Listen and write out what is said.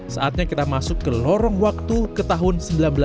saatnya kita masuk ke lorong waktu ke tahun seribu sembilan ratus delapan puluh